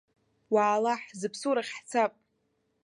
Уаала, ҳзыԥсу рахь ҳцап.